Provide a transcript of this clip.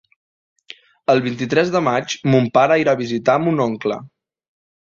El vint-i-tres de maig mon pare irà a visitar mon oncle.